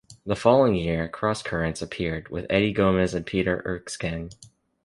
The following year "Cross Currents" appeared, with Eddie Gomez and Peter Erskine.